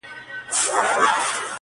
ویل ژر سه مُلا پورته سه کښتۍ ته.!